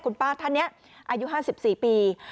คุณป้าท่านนี้อายุ๕๔ปี